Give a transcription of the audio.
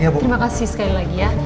terima kasih sekali lagi ya